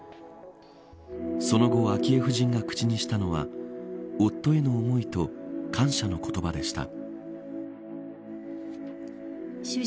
その後、昭恵夫人が口にしたのは夫への思いと感謝の言葉でした。